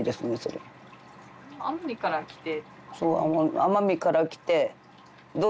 奄美から来て。